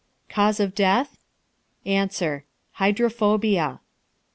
Cause of death? A. Hydrophobia.